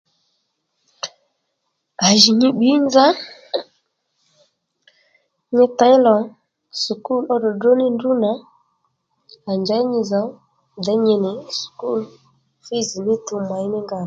À jì nyi bbǐy nza nyi těy lò sùkúl ó dròdró ní ndrǔ nà à njěy nyi zòw děy nyi nì sùkúl fǐz měy mí nga nà